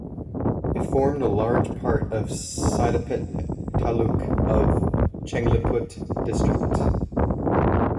It formed a part of Saidapet taluk of Chengleput district.